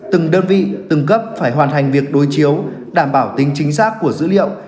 từng đơn vị từng cấp phải hoàn thành việc đối chiếu đảm bảo tính chính xác của dữ liệu